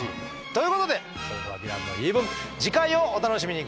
ということでそれでは「ヴィランの言い分」次回をお楽しみに。